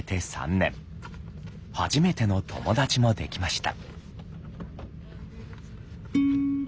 初めての友達もできました。